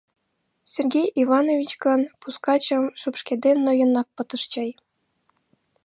Сергей Иванович гын пускачым шупшкеден ноенак пытыш чай.